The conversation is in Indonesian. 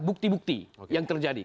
bukti bukti yang terjadi